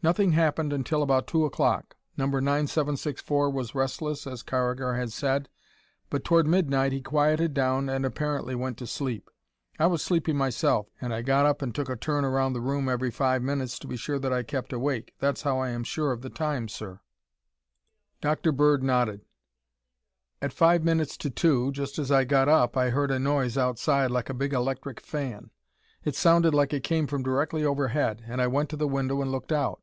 "Nothing happened until about two o'clock. No. 9764 was restless as Carragher had said, but toward midnight he quieted down and apparently went to sleep. I was sleepy myself, and I got up and took a turn around the room every five minutes to be sure that I kept awake. That's how I am so sure of the time, sir." Dr. Bird nodded. "At five minutes to two, just as I got up, I heard a noise outside like a big electric fan. It sounded like it came from directly overhead and I went to the window and looked out.